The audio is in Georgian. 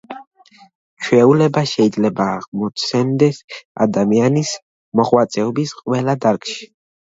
ჩვეულება შეიძლება აღმოცენდეს ადამიანის მოღვაწეობის ყველა დარგში.